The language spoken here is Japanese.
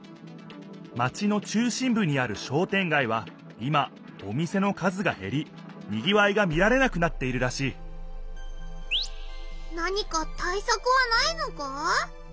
マチの中心ぶにある商店街は今お店の数がへりにぎわいが見られなくなっているらしい何かたいさくはないのか？